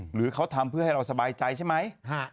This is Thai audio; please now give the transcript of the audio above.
หรือเขาทำเพื่อให้เราสบายใจใช่ไหม